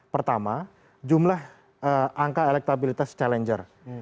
pertama jumlah angka elektabilitas challenger